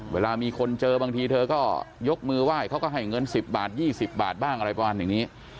เวลามีคนเจอบางทีเธอก็ยกมือไหว้เขาก็ให้เงิน๑๐บาท๒๐บาทบ้างอะไรประมาณอย่างนี้